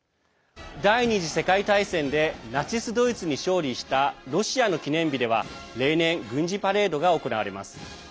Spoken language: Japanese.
第２次世界大戦でナチス・ドイツに勝利したロシアの記念日では例年、軍事パレードが行われます。